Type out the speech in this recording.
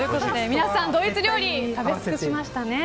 皆さん、ドイツ料理食べ尽くしましたね。